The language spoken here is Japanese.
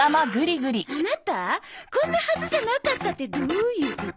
アナタこんなはずじゃなかったってどういうこと？